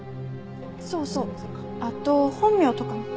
そうそうあと本名とかも。